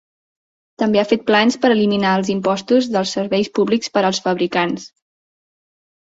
També ha fet plans per eliminar els impostos dels serveis públics per als fabricants.